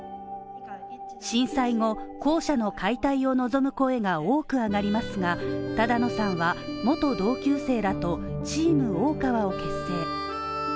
震災後、校舎の解体を望む声が多く上がりますが只野さんは元同級生らと、チーム大川を結成。